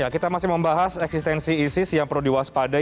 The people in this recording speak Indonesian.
kita masih membahas eksistensi isis yang perlu diwaspadai